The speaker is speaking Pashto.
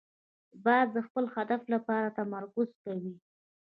باز د خپل هدف لپاره تمرکز کوي